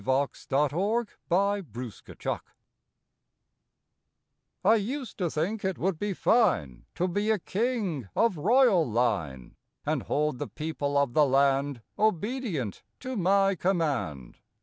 April Fifth CHANGED AMBITION T USED to think it would be fine To be a King of Royal Line, And hold the people of the land Obedient to my command.